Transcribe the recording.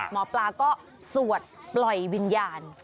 หมอปลาก็สวดปล่อยวิญญาณ